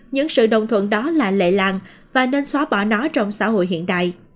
những sự đồng thuận đó là lệ làng và nên xóa bỏ nó trong xã hội hiện đại